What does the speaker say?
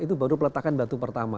itu baru peletakan batu pertama